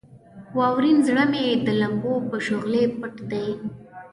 واورین زړه مې د لمبو په شغلې پټ دی.